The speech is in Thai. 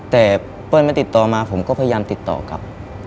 แต่เปิ้ลไม่ติดต่อมาผมก็พยายามติดต่อกลับ